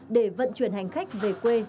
để vận chuyển hành khách về quê